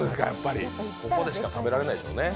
ここでしか食べられないですね。